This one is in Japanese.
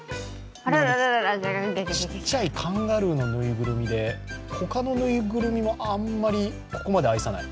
ちっちゃいカンガルーのぬいぐるみで他のぬいぐるみはここまで愛さない。